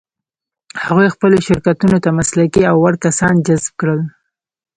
هغوی خپلو شرکتونو ته مسلکي او وړ کسان جذب کړل.